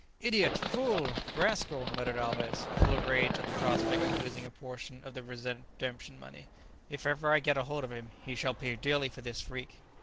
"Idiot! fool! rascal!" muttered Alvez, full of rage at the prospect of losing a portion of the redemption money; "if ever I get hold of him, he shall pay dearly for this freak."